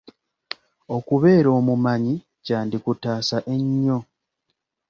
Okubeera omumanyi kyandikutaasa ennyo.